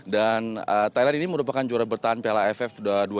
dan thailand ini merupakan juara bertahan piala aff dua ribu enam belas